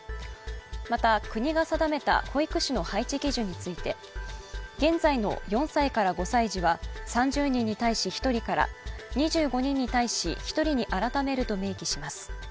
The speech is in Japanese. また、国が定めた保育士の配置基準について現在の、４歳から５歳児は３０人に対し１人から、２５人に対し１人に改めると明記します。